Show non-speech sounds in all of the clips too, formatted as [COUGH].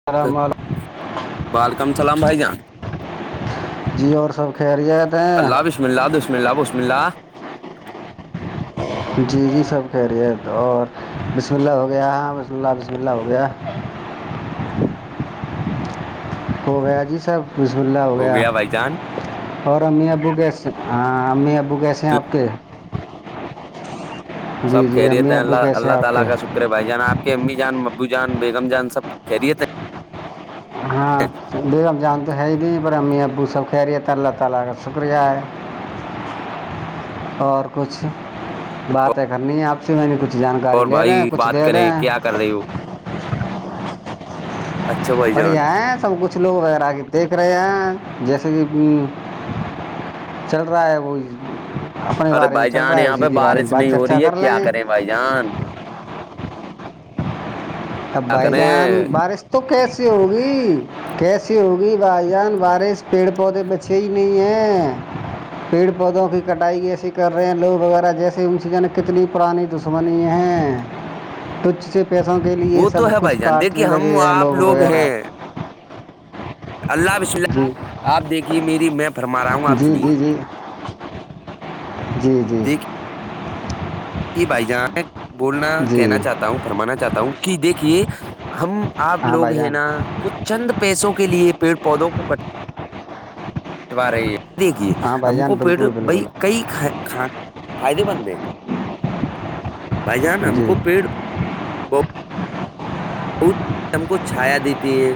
[UNINTELLIGIBLE] وعلیکم السلام بھائی جان جی ہاں سب خیرت اللہ بسم اللہ بسم اللہ بسم اللہ جی جی سب کہہ رہیے تو اور بسم اللہ ہو گیا ہاں بسم اللہ بسم اللہ ہو گیا ہو گیا جی سب بسم اللا ہو گیا اور امی ابو کیسے ہاں امی ابو کیسے ہیں آپ کے جی سب جی خیرت ہے امی ہیں ابو اللہ کیسے ہیں اللہ آپ تعالی کے کا شکر ے بھائی جان آ پ کے امی جان ابو جان بیگم جان سب خیرت ہے ہاں بیگم جان تو ہیں ہی نہیں پر امی ابو سب خیریت ہے اللہ تعالی کا شکریا ہے [INAUDIBLE] اور کچھ ہیں باتیں کرنی ہے آپ اس میں بھی کچھ جانکاری لے لیں کچھ دے دیں ہلیو بڑھیا ہے سب کچھ لوگ وغیرہ آ کے دیکھ رہے ہیں جیسے کہ چل رہا ہے وہ اپنے ارے بارے میں بھائی چل جان رہا ہے یہاں اسی پہ کے بارے بارش میں بات نہیں ہو چرچا رہی ہے کر لیں کیا گے کریں بھائی جان اب کیا بائی کریں جان بارش تو کیسی ہوگی کیسی ہوگی بھائی جان بابرش پیڑ پودے بچے کہی نہیں ہے پیڑ پودوں کی کٹائی کی ایسی کر رہے ہیں لوگ وغیرہ جیسے انزن کتنی پرانی منی ہیں تچھ سے پیسوں سے کے لیے وہ سب تو ہے کچھ بھائی جان دیکھیے کاٹنے ہم لگے ہیں آپ لوگ وغیرہ ہیں اللہ جی آپ دیکھیے میری میں فرما رہا ہوں آپ جی جی سنیے جی جی جی دیکھیے یہ بھائی جان میں بولنا جی کہنا چاہتا ہوں فرمانا چاہتا ہوں کہ دیکھیے ہم آپ ہاں لوگ بھائی ہیں جان نا کچھ چند پیسوں کے لیے پیڑ پودوں کو کٹ وا رہی ہے دیکھیے ہاں بھائی ہم جان کو پیڑ بالکل بئی بالکل کئی کھ فائدے مند ہے بھ جان ہم جی کو پیڑ بت ہم کو چھایا دیتی ہے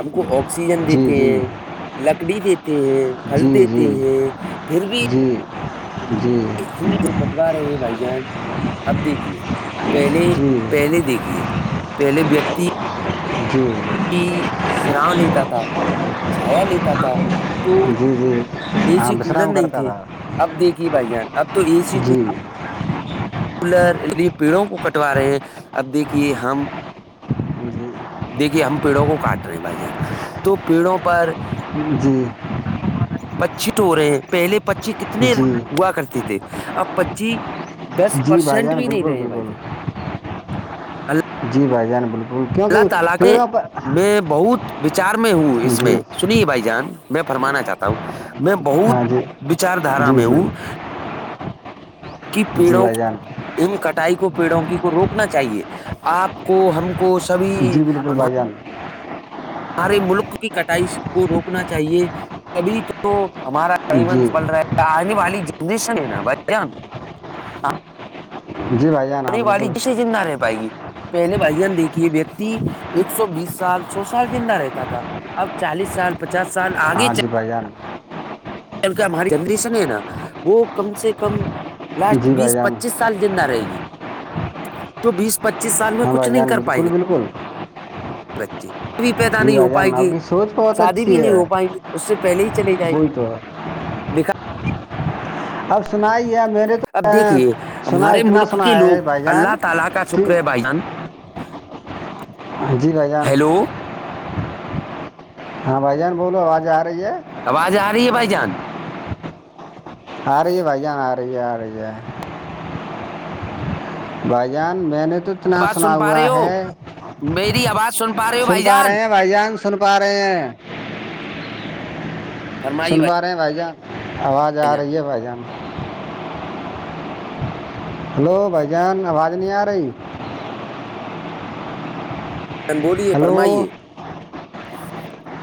ہم کو آکسیجن جی دیتے جی ہیں لکڑی دیتے ہیں پھل جی دیتے جی ہیں پھر بھی جی جی ہ تو کٹوا رہے ہیں بھائی جان اب دیکھیے پہلے جی پہلے دیکھیے پہلے ویکتی جی کہ سراام لیتا تھا چھایا لیتا تھا تو جی جی اے ہاں سی کولر وشرام نہیں کرتا تھے تھا اب دیکھیے بھائی جان اب تو اے سی کولر جی پیڑوں کو کٹوا رہے ہیں اب دیکھیے ہم دیکھیے ہم پیڑوں کو کاٹ رہے ہیں بھائی جان تو پیڑوں پر [UNINTELLIGIBLE] پچی ٹو رہے ہیں پہلے پچی کتنے جی ہوا کرتے تھے اب پچی دس جی بھائی پرسینٹ جان بھی نہیں بالکل رہے ہیں بھائی بالکل جان جی بھائی جان بالکل کیونکہ [UNINTELLIGIBLE] پیڑوں پر جی میں فرمانا چاہتا ہوں میں بہت ہاں جی وچار دارا جی میں جی ہوں کی جی پیڑوں بھائی جان کٹائی کو پیڑوں کی کو روکنا چاہیے آپ کو ہم کو سبھی جی بالکل ہمار بھائی جان ہمارے ملک کی کٹائی کو روکنا چاہیے کبھی تو ہمارا جیون جی پل رہا آنے والی جنریشن ہے نا بھائیان جی بھائی جان ہاں یہ باری بالکل کیسے بھی رہ نہیں پائے گی پہلے بھائیان دیکھیے ویکتی ایک سو بیس سال سو سال زندہ رہتا تھا اب چالیس سال پچاس سال آگے چ بجان جک ہماری جنریشن ہے نا وہ کم سے کم لاسٹ جی بھائی بیس جان پچیس سال زندہ رہے گی تو بیس پچیس سال میں ہاں کچھ بھائی نہیں جان کر پائیں بالکل گے بالکل بچ ک بھی پیید جی نہیں بھائی اوپائے جان آپ کیی کی سوچ بہت شادی بھی اچھی نہیں ہے ہو پائیں گی اس سے پہلے ہی چلے جائیں گے وہی تو لکھا اب سن ہی ہے م نے تو اب دیکھیے سنا ہمارے اتنا ملک کے سنا لوگ ہے بھائی جان اللہ تعالی کا کہ شکر ہے بھائی جان جی بھائی جان ہیلو ہاں بھائی جان بولو آواز آ رہی ہے آواز آ رہی ہے بھائی جان آ رہ بیاان آ رہیا آ رہے بھائی جان میں نے تو نا آواز سنا سن پا ہوا رہے ہو ہے میری آواز پا رہے ہو سن بھائی پا جان رہے ہیں بھائی جان س سن پا رہے ہیں سن پا رہے ہیں بھائی جان آواز آ رہی ہے بھائی جان ہلو بھائی جان آواز نہیں آ رہی چن بولیے ہلو فرمائیے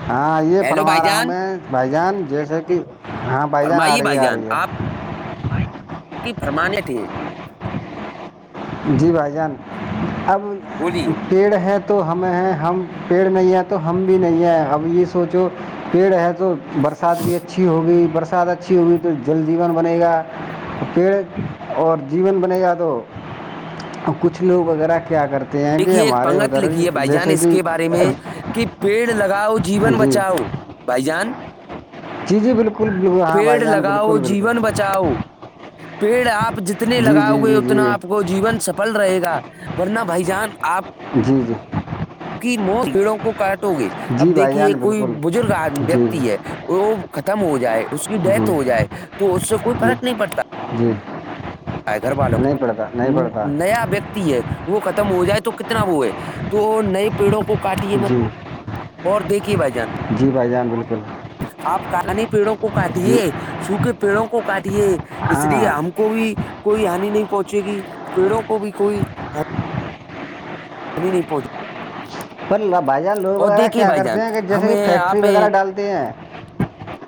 ہاں یہ ہیلو بھائی فرما رہا ہوں جان میں بھائی جان جیسے کہ ہاں بھائی جان آ فرمائیے رہی ہے بھائی آ جان رہی آپ ہے کی فرمانے تھیں جی بھائی جان اب بولیے پیڑ ہیں تو تو ہمیں ہیں ہم پیڑ نہیں آ تو ہم بھی نہیں آئے اب یہ سوچو پیڑ ہے تو برس برسات بھی اچھی ہوگی برسات اچھی ہوگی تو جل جیون بنے گا پیڑ اور جیون بنے گا تو کچھ لوگ وغیرہ کیا کرتے ہیں کہ دیکھیے ایک ہمارے پنگت ادھر لکھی ہے بھائی جان جیسے اس کہ کے بارے میں کہ پیڑ لگاؤ جیون جی بچاؤ بھائی جان جی جی بالکل بالکل ہاں پیڑ بھائی جان لگاؤ بالکل بالکل جیون بچاؤ پیڑ آپ جتنے جی لگاؤ جی گے جی اتنا جی آپ کو وہ جیون سفل رہے گا ورنہ بھائی جان آپ جی جی کہ مو بیڑوں کو کاٹو گے جی اب بھائی دیکھیے جان کوئی بالکل بزرگ جی ویکتی ہے جی وہ ختم ہو جائے اس کی ڈیتھ ہو جی جائے تو اس سے کوئی جی فرق نہیں پڑتا جی ٹائ گگر بالو نہیں پڑتا نہیں پڑتا نیا ویکتی ہے وہ ختم ہو جائے تو کتنا وہ ہے تو نئے پیڑوں کو کاٹیے مت جی اور دیکھیے بھائی جان جی بھائی جان بالکل آپ کانے پیڑوں کو جی کاٹیے سوکھے پیڑوں کو کاٹ ہے اس لیے ہاں ہم کو بھی کوئی ہانی نہیں پہنچے گی پیڑوں کو بھی کوئی کد نہیں پنچ پر بھائی جان لوگ وغیرہ دیکھیے کیا بھائی جان کرتے ہیں کہ جیسے کہ ہمیں فیکٹری آپ ہیں، وغیرہ ڈالتے ہیں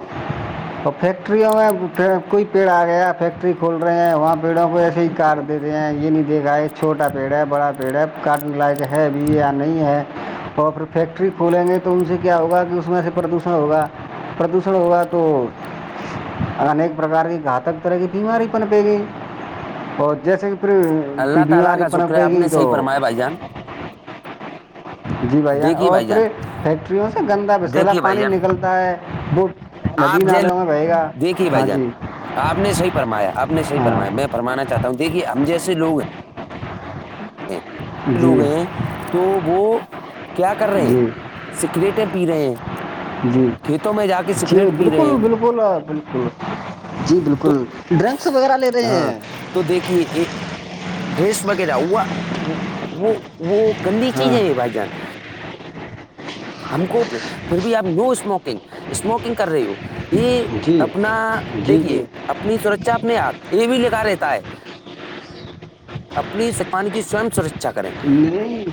[UNINTELLIGIBLE] تو فیکٹریوں میں پھر کوئی پیڑ آ گیا فیکٹری کھول رہے ہیں وہاں پیڑوں کو ایے ہی کاٹ دیتے ہیں یہ نہیں دیکھا ہے چھوٹا پیڑ ہے بڑا پیڑ ہے کاٹنے لائق ہے بھی یا نہیں ہے اور پھر فیکٹری کھولیں گے تو ان سے کیا ہوگا کہ اس میں سے پردوشن ہوگا پردوشن ہوا تو انیک پرکار کی گھاتک طرح کی بیماری پن پے گی اور جیسے کہ پھر بیماری پنپے گی تو بائی جان جی بھائی دیکھیے اور جان پھرے فیکٹریوں سے گندا وسلا دیکھیے بھائی پانی جان نکلتا ہے آپ ندی جی نالوں میں بہے گا دیکھیے بھائی ہاں جان جی آپ نے صحیح فرمایا آپ نے صحیح ہاں فرمایا میں رانا چاہتا ہوں دھیے ہم جیسےوگ ہیں جی لوگ ہیں تو وہ کیا کر رہے ہیں جی سگریٹیں پی رہے ہیں جی کھیتوں میں جا کے جی سگریٹ پی رہے بالکل ہیں بالکل آ بالکل جی تو بالکل ڈرنکس وغیرہ لے رہے ہاں ہیں تو دیکھیے ڈریس وغیرہ وہ وہ وہ گندی چیز ہاں ہے یہ بھائی جان ہم کوپ پھر بھی آپ نو اسموکنگ اسموکنگ کر رہی ہو یہ جی اپنا جی دیکھیے جی اپنی سرچا اپنےات یہ بھی ل کرا رہتا ہے اپنی پان کی سوئ سرچا کریں نہیں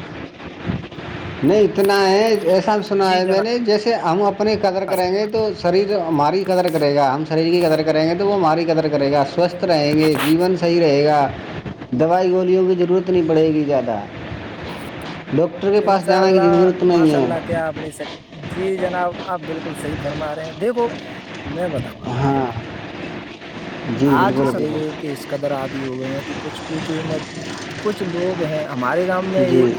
نہیں اتنا ہے ایسا بھی سنا جی ہے میں جناب نے جیسے ہم اپنی قدر کریں گے تو شریر ہماری قدر کرے گا ہم شریر کی قدر کریں گے تو وہ ہم ماری قدر کرے گا سوستھ رہیں گے جیون صحیح رہے گا دوائی گوولوں کی ضرورت نہیں پڑے گی زیادہ ڈاکٹر کے پاس جانا کی ضرورت نہیں ہے اپنی س جی جناب آپ بالکل صحیح فرما رہے ہیں دیکھو میں بتاؤں آپ ہاں جی آج بالکل س بالکل کہ قدر آدی ہو گئے ہیں کہ کچھ پوچھ مت کچھ لوگ ہیں ہمارے گاؤں میں جی ایک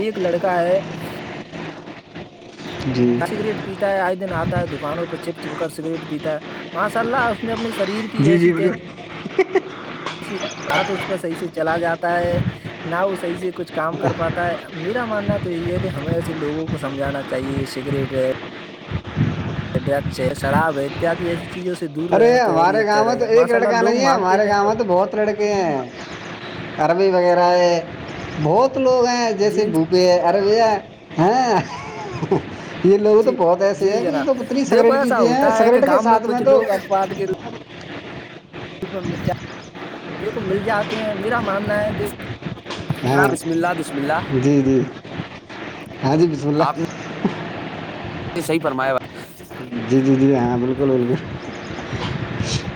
ایک لڑکا ہے جی سگریٹ پیتا ہے آئے دن آتا ہے دکانوں پہ چپ چپ کر سگریٹ پیتا ہے ماشا اللہ اپنے شریر کی جی ایسی جی بالکل ب تو اس پ صحیح سے چلا جاتا ہے نہ وہ صحیح سے کچھ کام کر پاتا ہے میرا ماننا تو یہی ہے کہ ہمیں سےے لوگوں کو سمجھانا چاہیے سگریٹ ڈرگس شراب ہے اتیاد ایسی چیزوں سے دور ارے رہے ہیں تو اور ہی ہمارے اچھا گاؤں میں تو ایک رہےاشاء اللہ لڑکا لوگ نہیں ہے مانتے ہمارے نہیں گاؤں میں ہیں تو بہت لڑکے ہیں عربی وغیرہ ہے بہت لوگ ہیں جیسے جن بھوپ پ ارے بیا ہاں یہ لوگ تو جی بہت ایسے جی ہیں کہ یہ جناب تو اتنی دیکھو سگریٹ پیتے ہیں سگریٹ کے ساتھ میں تو بعد کر ہاں دیکھو مل جاتے ہیں میرا ماننا ہے دیکھ جنا ہاں بسم اللہ بسم اللہ جی جی ہاں جی بسم آپ نے اللہ صح فرمایا وق جی جی جی ہاں بالکل بالکل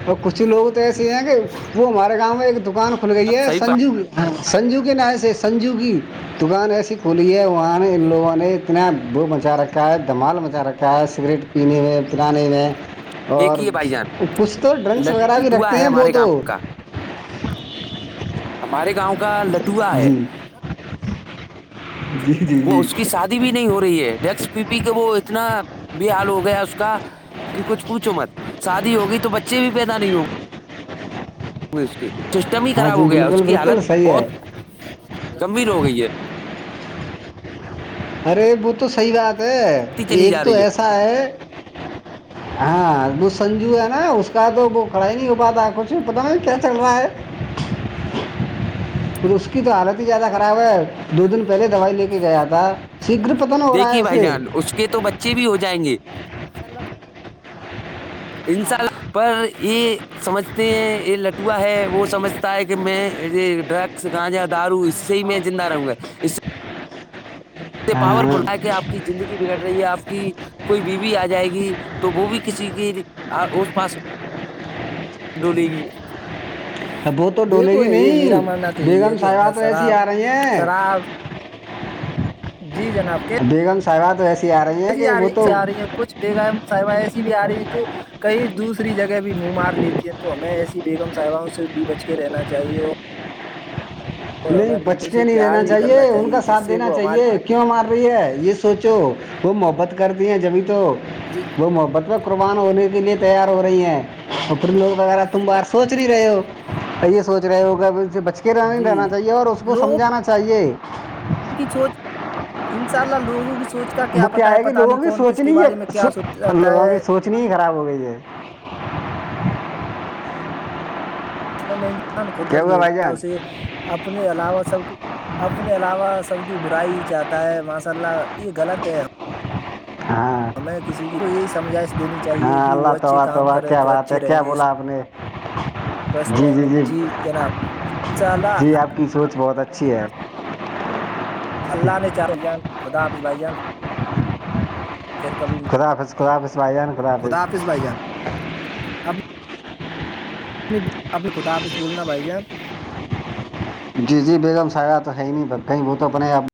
اور کچھ لوگ تو ایسے ہیں کہ وہ ہمارے گاؤں میں ایک دکان کھل گئی آپ ہے صحیح فرمایا۔ سنجو سنجو کے ن سے سنجو کی دکان ایسی پلیے وہاں ان لوگوں نے اتنا بھو مچا رکھا ہے دمال مچا رکھا ہے سگریٹ پ نہیں ہو پ نہیں میں اور دیکھیے بھائی جان کچھ تو ڈرنکس وغیرہ بھی لٹوا رکھتے ہے ہیں وہ ہمارے تو گاؤں کا ہمارے گاؤں کا لٹووا ہے جی جی جی وہ جی اس کی ساتھ بھی نہیں ہو رہی ہے ڈس پی پی کے وہ اتنا بھی حال ہو گیا اس کا کہ کچھ پوچھو مت شادی ہوگئی تو بچے بھی پیدا نہیں ہوں گے اس کے سسٹم ہی ہاں خراب جی ہو گیا اس بالکل کی بالکل حالت صحیح ہے بہت گمبر ہو گئی ہے ارے وہ تو صحیح بات ہے چلی ایک جا تو رہی ایسا ہے [UNINTELLIGIBLE] ہاں وہ سنجو ہے نا اس کا تو وہ کھڑا ہی نہیں ہو پاتا کچھ بھی پتا نہیں کیا چل رہا ہے پھر اس کی تو حالت ہی زیادہ خراب ہے دو دن پہلے دوائی لے کے ہے گیا تھا شیگر پت نہ ہو رہا ہے اسے کہ تو بچے بھی ہو جائیں گےب انساء اللہ پر یہ سمجھتے ہیں یہ لٹوا ہے وہ سمجھ ہے کہ میں یہ ڈرگس گانجا دارو اس سے ہی میں زندہ رہوں گا اس سے ہاں پاورفل ہے کہ آپ کی زندگی بگڑ رہی ہے آپ کی کوئی بیوی آ جائے گی تو وہ بھی کسی کی اس پاس ڈولیے گی اب وہ تو ڈولے دیکھو گی یہ میرا نہیں ماننا تو یہی ہے بیگم کہ صاحبہ ہمیں تو ایسی شراب آ رہی ہیں شراب جی جناب کے بیگم صاحبہ تو ایسی آ رہی ہیں کہ وہ تو آ رہی ہیں کچھ بےگم ساحبائیں ایسی بھی آ رہی ہیں جو کہئی دوسری جگہ بھی منہ مار لیتی ہیں تو ہمیں ایسی بیگم صاحباؤں سے بھی بچ کے رہنا چاہیے اور نہیں ہمیں اپنی بچ دل کے سے نہیں پیار رہینا بھی چاہیے کرنا ان کا ساتھ جس سے دینا وہ ہمارے چاہیے کیوں مار رہی ہے یہ سوچو وہ محبت کر دی ہیں جبھی تو جی وہ محبت میں قربان ہونے کے لیے تیار ہو رہی ہیں ا لوگ وغیرہ تم بار سوچ نہیں رہے ہو یہ سوچ رہے ہوگ سے ب کہ رنن جی رہنا چاہیے اور اس کو لوگوں سمجھانا چاہیے کی سوچ ان شاء اللہ لوگوں کی سوچ اس کا کیا وہ پتا ہے کہ پتا لوگوں نہیں کی کون کس کے بارے میں کیا سوتا ہے اتنی ہی خراب ہو گئی ہے ج انسان خود کیا درج ہوا ہو بھائی گیا جان اسے اپنے علاوہ سب کی اپنے علاوہ سب کی برائی ہی چاہتا ہے ماشاء اللہ یہ غلط ہے ہاں ہمیں کسی کو یہی سمجھائش دینی چاہیے ہاں کہ اللہ وہ اچھے توبہ کام توبہ کریں کیا تو بات اچھے ہے رہیں کیا گے بولا آپ نے سوستھ رہیں گے جی جناب انشاء اللہ جی آپ کی سوچ بہت اچھی ہے اللہ نے چاہا بھائی جان خدا نے چاہا بھائی جان پھر کبھی ملیں گے خدا حافظ بھائی جان خدا خودا آافس حافظ بھائی جان اپ اپنی خدا آپ سے بولنا بھائی جان جی جی بیگم سایا تو ہے ہی نہیں کہیں وہ تو اپنے آپ